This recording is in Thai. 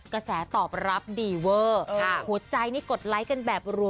กระแสตอบรับดีเวอร์หัวใจนี่กดไลค์กันแบบรัว